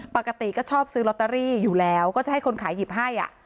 ปกติก็ชอบซื้อลอตเตอรี่อยู่แล้วก็จะให้คนขายหยิบให้